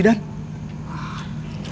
tidak ada apa apa